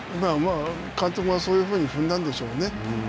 監督がそういうふうに踏んだんでしょうね。